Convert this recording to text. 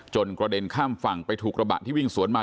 กระเด็นข้ามฝั่งไปถูกกระบะที่วิ่งสวนมา